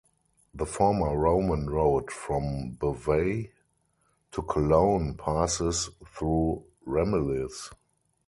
The former Roman road from Bavay to Cologne passes through Ramillies.